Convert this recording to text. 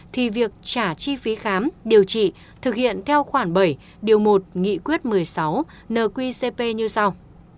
thì việc trả chi phí khám điều trị thực hiện theo khoản bảy điều một nghị quyết một mươi sáu nqcp như sau